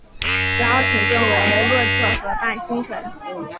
主要城镇为洛特河畔新城。